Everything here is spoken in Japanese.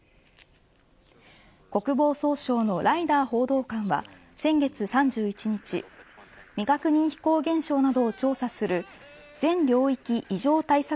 国防総省のライダー報道官は先月３１日未確認飛行現象などを調査する全領域異常対策